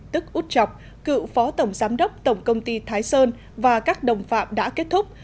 tức út chọc cựu phó tổng giám đốc tổng công ty thái sơn và các đồng phạm đã kết thúc